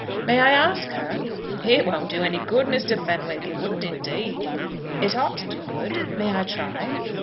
"May I ask her?" "It wouldn't do any good, Mr. Fenwick; it wouldn't indeed." "It ought to do good. May I try?"